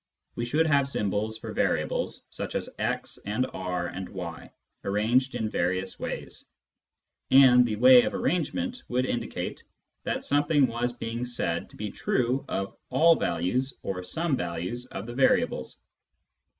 We should have symbols for variables, such as " x " and " R " and " y," arranged in various ways ; and the way of arrange ment would indicate that something was being said to be true of all values or some values of the variables.